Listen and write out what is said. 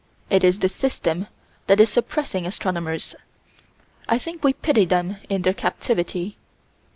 It is the System that is suppressing astronomers. I think we pity them in their captivity.